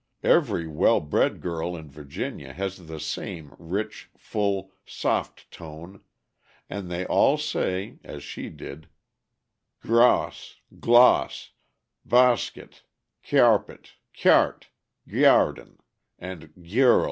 Every well bred girl in Virginia has the same rich, full, soft tone, and they all say, as she did, "grauss," "glauss" "bausket," "cyarpet," "cyart," "gyarden," and "gyirl."